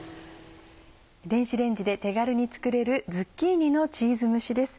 電子レンジで手軽に作れるズッキーニのチーズ蒸しです。